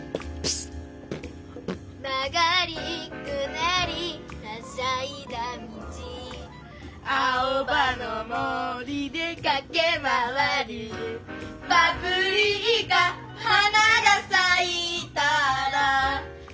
「曲りくねりはしゃいだ道」「青葉の森で駆け回る」「パプリカ花が咲いたら」